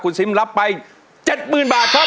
คุณซิมรับไป๗๐๐๐บาทครับ